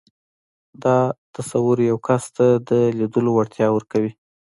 دا تصور يو کس ته د ليدلو وړتيا ورکوي.